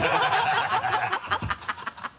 ハハハ